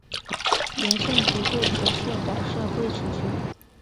原县级贵池市改设贵池区。